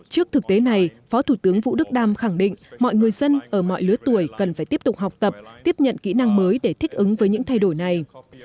trước thực tế này phó thủ tướng vũ đức đam khẳng định mọi người dân ở mọi lứa tuổi cần phải tiếp tục học tập tiếp nhận kỹ năng mới để thích ứng với những thay đổi này